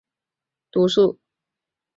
橡子织纹螺具有河鲀毒素。